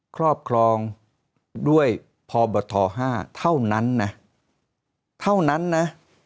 ครอบครองด้วยพบท๕เท่านั้นนะเท่านั้นนะ